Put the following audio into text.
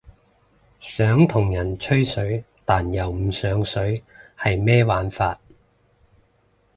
想同人吹水但又唔上水係咩玩法？